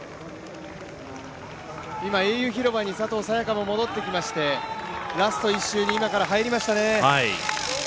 今、英雄広場に佐藤早也伽も戻ってきまして、ラスト１周に今から入りましたね。